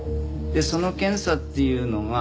でその検査っていうのが。